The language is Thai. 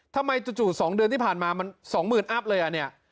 จู่๒เดือนที่ผ่านมามัน๒๐๐๐อัพเลยอ่ะเนี่ย